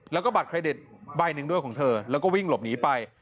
แล้วก็บัตรเครดิตใบหนึ่งด้วยของเธอแล้วก็วิ่งหลบหนีไป